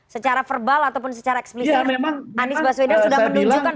secara verbal ataupun secara eksplisit anies baswedan sudah menunjukkan